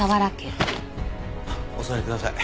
お座りください。